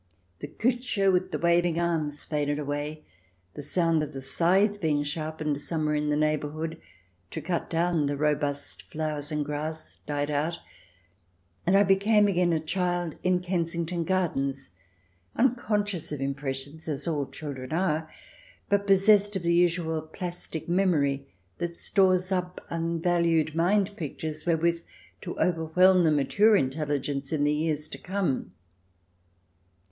The Kutscher with the waving arms faded away, the sound of the scythe being sharpened somewhere in the neighbourhood to cut down the robust flowers and grass died out, and I became again a child in Kensington Gardens, unconscious of impressions, as all children are, but possessed of the usual plastic memory that stores up unvalued mind pictures wherewith to overwhelm the mature intelligence in the years to 246 THE DESIRABLE ALIEN [ch. xvii come.